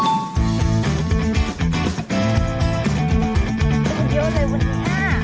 วันนี้จะคุยเยอะเลยค่ะ